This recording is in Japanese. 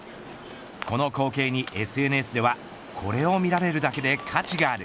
この光景にＳＮＳではこれを見られるだけで価値がある。